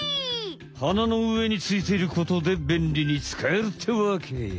鼻の上についていることでべんりにつかえるってわけよ！